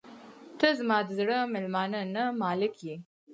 • ته زما د زړه میلمانه نه، مالک یې.